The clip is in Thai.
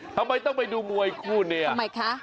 ทำไมต้องไปดูมวยคู่นี้ทำไมคะ